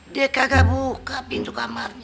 dia kagak buka pintu kamarnya